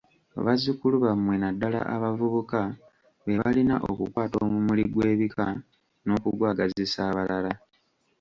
Bazzukulu bammwe naddala abavubuka be balina okukwata omumuli gw'ebika n'okugwagazisa abalala.